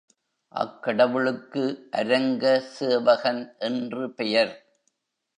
அக்கடவுளுக்கு அரங்க சேவகன் என்று பெயர்.